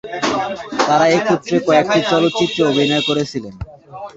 তারা একত্রে কয়েকটি চলচ্চিত্রে অভিনয়ও করেছিলেন।